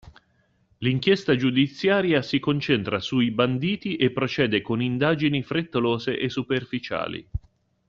L'inchiesta giudiziaria si concentra sui banditi e procede con indagini frettolose e superficiali.